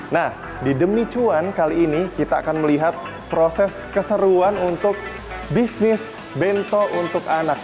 nah di demi cuan kali ini kita akan melihat proses keseruan untuk bisnis bento untuk anak